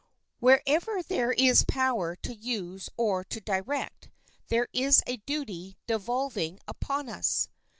Wherever there is power to use or to direct, there is a duty devolving upon us.